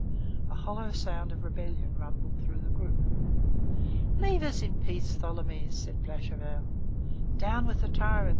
A hollow sound of rebellion rumbled through the group. "Leave us in peace, Tholomyès," said Blachevelle. "Down with the tyrant!"